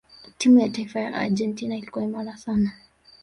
timu ya taifa ya Argentina ilikuwa imara sana